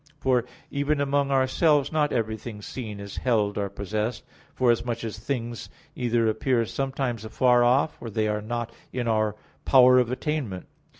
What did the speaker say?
For even among ourselves not everything seen is held or possessed, forasmuch as things either appear sometimes afar off, or they are not in our power of attainment.